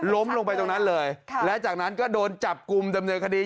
ล้มลงไปตรงนั้นเลยและจากนั้นก็โดนจับกลุ่มดำเนินคดี